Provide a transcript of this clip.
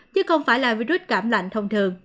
chứ không phải là virus cảm lạnh thông thường